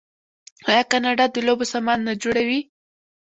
آیا کاناډا د لوبو سامان نه جوړوي؟